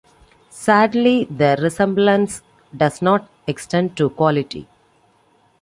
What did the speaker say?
Sadly, the resemblance does not extend to quality.